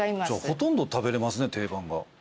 ほとんど食べれますね定番が。